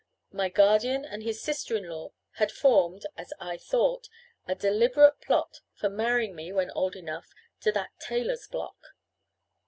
My guardian and his sister in law had formed, as I thought, a deliberate plot for marrying me, when old enough, to that tailor's block.